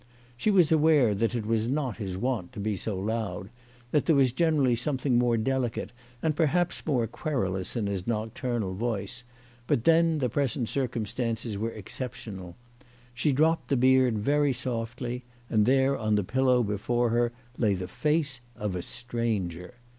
She was aware that it was not his wont to be so loud that there was generally some thing more delicate and perhaps more querulous in his nocturnal voice, but then the present circumstances were exceptional. She dropped the beard very softly and there on the pillow before her lay the face of a stranger.